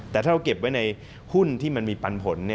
แต่ถ้าเราเก็บไว้ในหุ้นที่มันมีปันผล